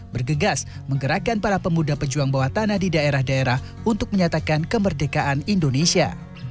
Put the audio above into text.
bergegas menggerakkan para pemuda pejuang bawah tanah di daerah daerah untuk menyatakan kemerdekaan indonesia